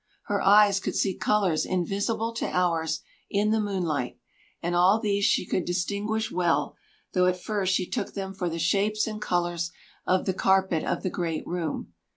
Her eyes could see colors invisible to ours in the moonlight, and all these she could distinguish well, though at first she took them for the shapes and colors of the carpet of the great room.